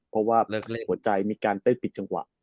เพราะว่าหัวใจมีการเปิดปิดจังหวะ